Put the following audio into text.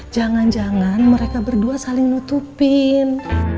jangan jangan mereka berdua saling nutupin